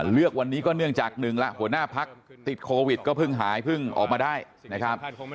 เลือกวันนี้ก็เนื่องจากหนึ่งละหัวหน้าพักติดโควิดก็เพิ่งหายเพิ่งออกมาได้นะครับ